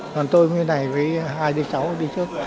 còn tôi mới này với hai đứa cháu đi trước